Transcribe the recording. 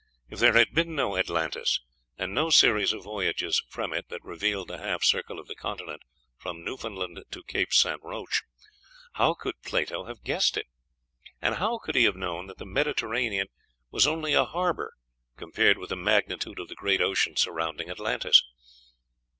If there had been no Atlantis, and no series of voyages from it that revealed the half circle of the continent from Newfoundland to Cape St. Roche, how could Plato have guessed it? And how could he have known that the Mediterranean was only a harbor compared with the magnitude of the great ocean surrounding Atlantis?